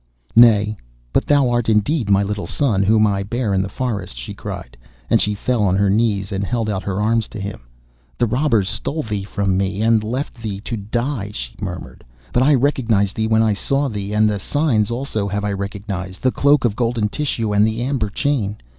'Nay, but thou art indeed my little son, whom I bare in the forest,' she cried, and she fell on her knees, and held out her arms to him. 'The robbers stole thee from me, and left thee to die,' she murmured, 'but I recognised thee when I saw thee, and the signs also have I recognised, the cloak of golden tissue and the amber chain.